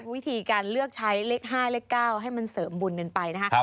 วิธีการเลือกใช้เลข๕เลข๙ให้มันเสริมบุญกันไปนะคะ